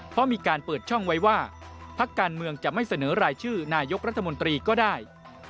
เพราะมีการเปิดช่องไว้ว่าพักการเมืองจะไม่เสนอรายชื่อนายกรัฐมนตรีก็ได้